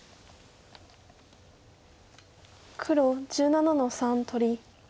黒１７の三取り。